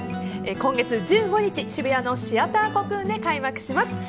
今月１５日渋谷のシアターコクーンで開幕します。